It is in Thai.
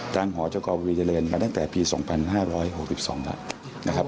หอเจ้ากบุรีเจริญมาตั้งแต่ปี๒๕๖๒แล้วนะครับ